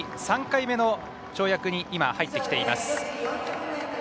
３回目の跳躍に入ってきています。